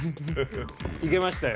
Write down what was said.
いけましたよ。